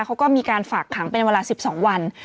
เขาก็มีการฝากขังเป็นเวลา๑๒วัน